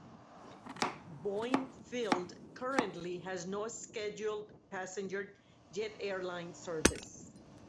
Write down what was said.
Boeing Field currently has no scheduled passenger jet airline service.